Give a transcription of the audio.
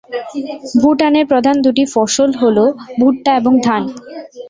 ভুটানের প্রধান দুটি ফসল হল ভুট্টা এবং ধান।